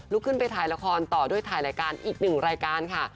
ขึ้นไปถ่ายละครต่อด้วยถ่ายรายการอีกหนึ่งรายการค่ะ